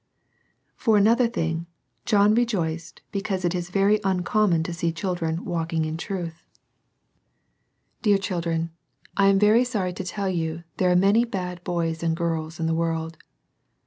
2. For another thing, John rejoiced because it is very uncommon to set children iwalfeing, m truiK 34 SERMONS FOR CHILDREN. Dear children, I am very sorry to tell you there are many bad boys and girls in the world.